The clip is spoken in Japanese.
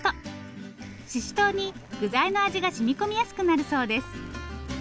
ししとうに具材の味がしみ込みやすくなるそうです。